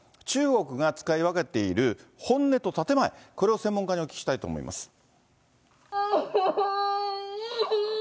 中国が使い分けている本音と建て前、これを専門家にお聞きしたいと思います。